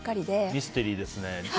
ミステリーですねえ。